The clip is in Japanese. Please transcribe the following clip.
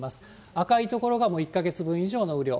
赤い所が１か月分以上の雨量。